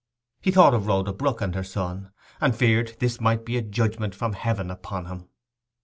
He thought of Rhoda Brook and her son; and feared this might be a judgment from heaven upon him.